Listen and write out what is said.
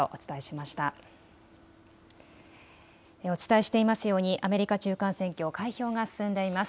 お伝えしていますようにアメリカ中間選挙開票が進んでいます。